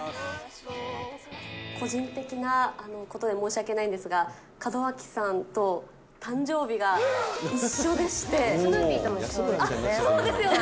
個人的なことで申し訳ないんですが、門脇さんと誕生日が一緒でしスヌーピーとも一緒ですよね。